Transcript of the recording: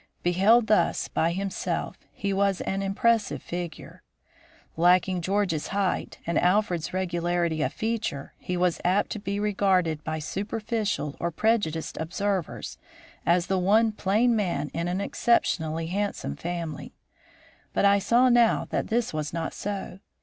Beheld thus by himself he was an impressive figure. Lacking George's height and Alfred's regularity of feature he was apt to be regarded by superficial or prejudiced observers as the one plain man in an exceptionally handsome family. But I saw now that this was not so.